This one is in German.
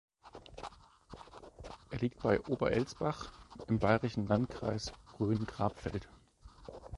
Er liegt bei Oberelsbach im bayerischen Landkreis Rhön-Grabfeld.